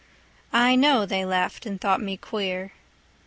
I know they laughed and thought me queer.